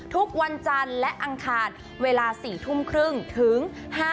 ทุกวันจันทร์และอังคารเวลา๔๓๐ถึง๕๓๐